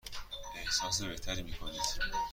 احساس بهتری می کنید؟